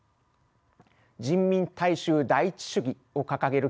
「人民大衆第一主義」を掲げる